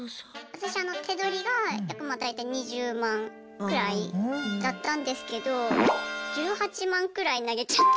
私手取りが約まあ大体２０万くらいだったんですけど１８万くらい投げちゃった。